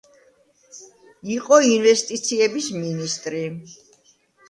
იყო ინვესტიციების მინისტრი.